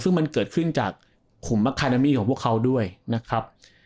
ซึ่งมันเกิดขึ้นจากขุมมะคานามีของพวกเขาด้วยนะครับ